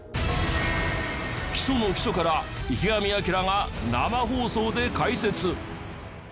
基礎の基礎から池上彰が生放送で解説。